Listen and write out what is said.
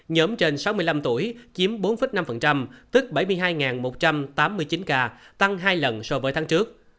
nhóm trên sáu mươi năm tuổi chiếm bốn năm tức bảy mươi hai một trăm tám mươi chín ca tăng hai lần so với tháng trước